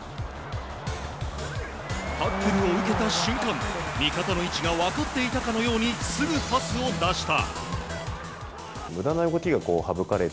タックルを受けた瞬間味方の位置が分かっていたかのようにすぐパスを出した。